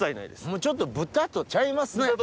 ちょっと豚とちゃいますね。